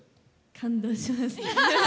感動します。